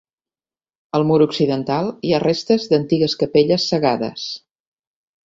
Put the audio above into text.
Al mur occidental, hi ha restes d'antigues capelles cegades.